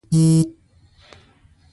د مخ تورول هم منع اعلان شول.